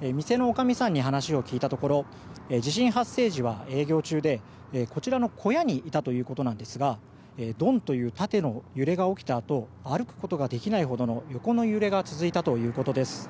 店のおかみさんに話を聞いたところ地震発生時は営業中でこちらの小屋にいたということなんですがドンという縦の揺れが起きたあと歩くことができないほどの横の揺れが続いたということです。